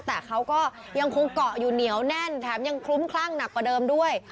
แต่เขาก็ยังคงเกาะอยู่เหนียวแน่นแถมยังคลุ้มคลั่งหนักกว่าเดิมด้วย